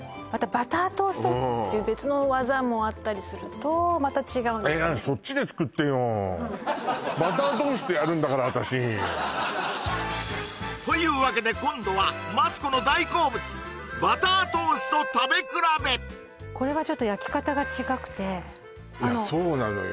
バタートーストっていう別の技もあったりするとまた違うえーヤダバタートーストやるんだから私というわけで今度はこれはちょっと焼き方が違くていやそうなのよ